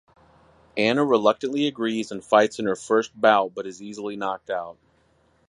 Anna reluctantly agrees and fights in her first bout but is easily knocked out.